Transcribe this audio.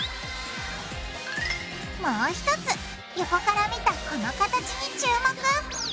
もう一つ横から見たこの形に注目！